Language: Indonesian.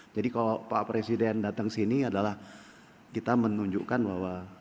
jadi kalau pak presiden datang ke sini adalah kita menunjukkan bahwa